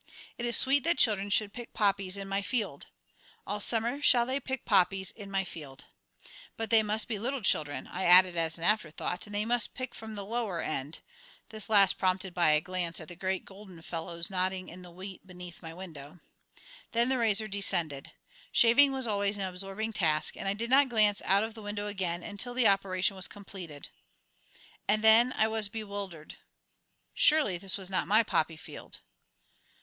It is sweet that children should pick poppies in my field. All summer shall they pick poppies in my field. But they must be little children, I added as an afterthought, and they must pick from the lower end this last prompted by a glance at the great golden fellows nodding in the wheat beneath my window. Then the razor descended. Shaving was always an absorbing task, and I did not glance out of the window again until the operation was completed. And then I was bewildered. Surely this was not my poppy field.